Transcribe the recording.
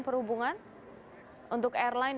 perhubungan untuk airline